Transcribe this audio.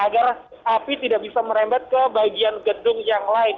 agar api tidak bisa merembet ke bagian gedung yang lain